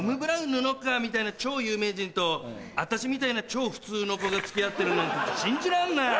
布川みたいな超有名人と私みたいな超普通の子が付き合ってるなんて信じらんない。